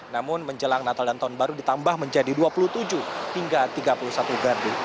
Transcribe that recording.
namun menjelang natal dan tahun baru ditambah menjadi dua puluh tujuh hingga tiga puluh satu gardu